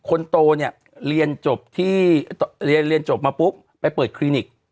คนโตเนี่ยเรียนจบที่เรียนเรียนจบมาปุ๊บไปเปิดคลินิก